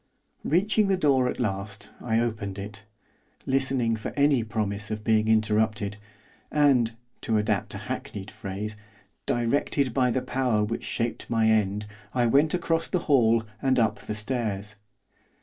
Reaching the door at last, I opened it, listening for any promise of being interrupted and to adapt a hackneyed phrase directed by the power which shaped my end, I went across the hall and up the stairs.